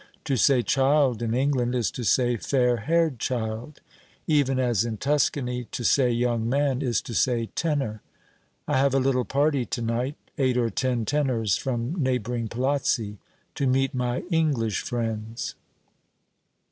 To say "child" in England is to say "fair haired child," even as in Tuscany to say "young man" is to say "tenor." "I have a little party to night, eight or ten tenors, from neighbouring palazzi, to meet my English friends."